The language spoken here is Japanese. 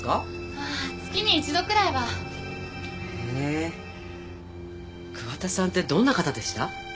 ああ月に一度くらいはへぇ桑田さんってどんな方でした？